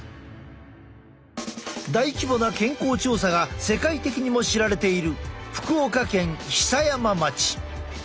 大規模な健康調査が世界的にも知られている福岡県久山町。